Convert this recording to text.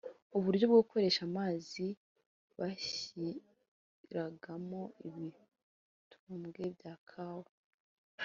uburyo bwo gukoresha amazi bashyiragamo ibitumbwe bya kawa